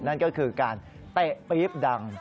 นั่นก็คือการเตะปี๊บดัง